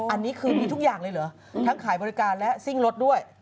อันนี้คือมีทุกอย่างเลยเหรอทั้งขายบริการและซิ่งรถด้วย